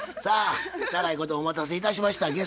さあ長いことお待たせいたしました。